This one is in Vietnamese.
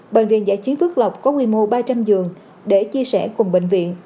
bệnh viện giả chiến phước lộc có nguyên mô ba trăm linh giường để chia sẻ cùng bệnh viện